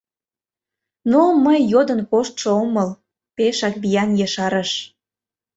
— Но мый йодын коштшо омыл! — пешак виян ешарыш.